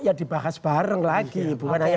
ya dibahas bareng lagi bukan hanya